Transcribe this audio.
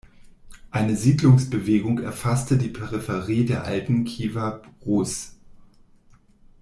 Eine Siedlungsbewegung erfasste die Peripherie der alten Kiewer Rus.